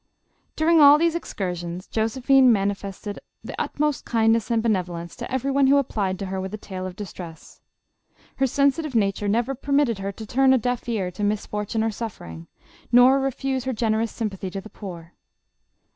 During all these excursions, Josephine manifested JOSEPHINE. the utmost kindness and benevolence to every one who applied to her with a tale of distress. Her sensitive nature never permitted her to turn a deaf ear to mis fortune or suffering, nor refuse her generous sympathy to the poor.